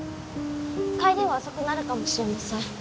帰りは遅くなるかもしれません。